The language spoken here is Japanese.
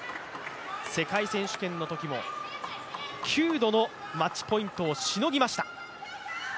世界選手権のときも９度のマッチポイントをしのぎました。